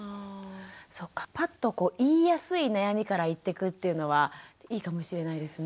そっかパッと言いやすい悩みから言ってくっていうのはいいかもしれないですね。